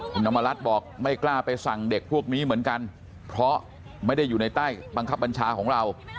คุณธรรมรัฐบอกไม่กล้าไปสั่งเด็กพวกนี้เหมือนกันเพราะไม่ได้อยู่ในใต้บังคับบัญชาของเรา